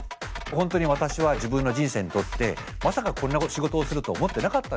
本当に私は自分の人生にとってまさかこんな仕事をすると思ってなかったんですね。